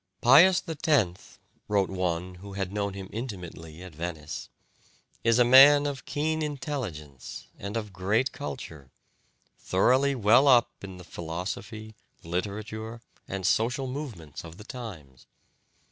'Pius X,' wrote one who had known him intimately at Venice, 'is a man of keen intelligence, and of great culture, thoroughly well up in the philosophy, literature, and social movements of the times'."